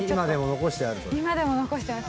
今でも残してある？